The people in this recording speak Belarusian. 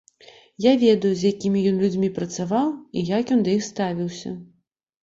Я ведаю з якімі ён людзьмі працаваў і як ён да іх ставіўся.